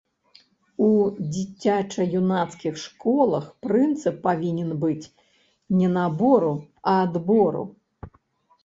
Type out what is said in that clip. У дзіцяча-юнацкіх школах прынцып павінен быць не набору, а адбору.